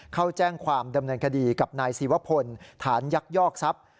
เข้าแจ้งความดำเนินคดีกับนายศิวพลฐานยักยอกทรัพย์